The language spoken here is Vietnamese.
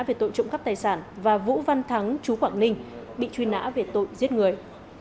về tội trộm cắp tài sản và vũ văn thắng chú quảng ninh bị truy nã về tội giết người